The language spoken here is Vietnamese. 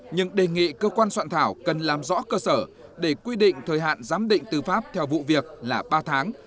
nhưng đề nghị cơ quan soạn thảo cần làm rõ cơ sở để quy định thời hạn giám định tư pháp theo vụ việc là ba tháng